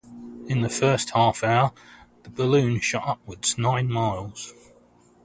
In the first half hour, the balloon shot upward nine miles.